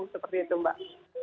seperti itu mbak